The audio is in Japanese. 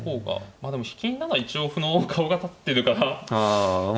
まあでも引きなら一応歩の顔が立ってるからそっちでしたかね。